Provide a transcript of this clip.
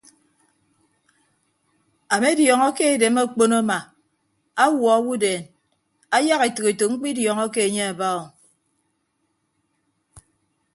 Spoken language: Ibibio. Amediọñọ ke edem okpon ama awuọ owodeen ayak etәk etәk mkpịdiọñọke anye aba o.